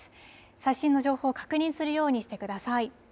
最新の情報確認するようにしてください。